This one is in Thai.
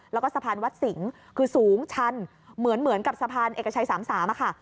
แล้วก็สะพานวัดสิงห์คือสูงชันเหมือนกับสะพานเอกชัย๓๓ค่ะ